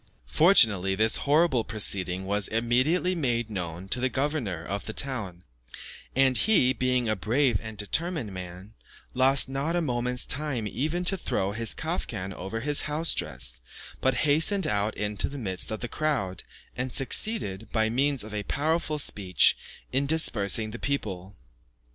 Fortunately, this horrible proceeding was immediately made known to the governor of the town; and he, being a brave and determined man, lost not a moment's time even to throw his kaftan over his house dress, but hastened out into the midst of the crowd, and succeeded, by means of a powerful speech, in dispersing the people.